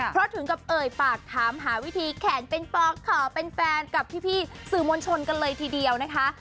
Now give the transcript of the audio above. เพราะถึงกับเอ่ยปากถามหาวิธีแขนเป็นป๊อกขอเป็นแฟนกับพี่สื่อมวลชนกันเลยทีเดียวนะคะ